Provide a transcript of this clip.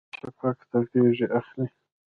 د شفق د غیږې اخلي